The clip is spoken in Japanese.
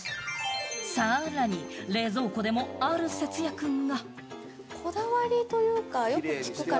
さらに冷蔵庫でもある節約が。